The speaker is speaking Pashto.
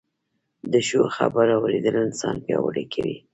د ښو خبرو اورېدل انسان پياوړی کوي